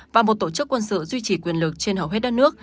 và một tổ chức quân sự duy trì quyền lực trên hầu hết đất nước